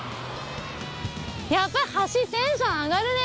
やっぱり橋テンション上がるね。